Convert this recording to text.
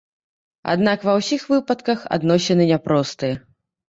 Аднак ва ўсіх выпадках адносіны няпростыя.